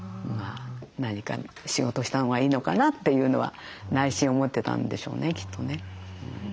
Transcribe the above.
何か仕事をしたほうがいいのかなというのは内心思ってたんでしょうねきっとね。